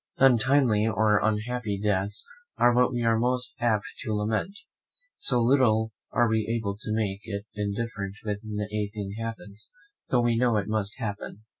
Untimely or unhappy deaths are what we are most apt to lament: so little are we able to make it indifferent when a thing happens, though we know it must happen.